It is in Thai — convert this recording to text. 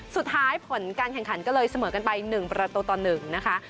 สุดท้ายผลการแข่งขันก็เลยเสมอกันไป๑ประตูต่อ๑นะคะ